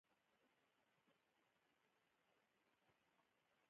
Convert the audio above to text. وایرس پروتیني پوښ او جینیټیک مواد لري.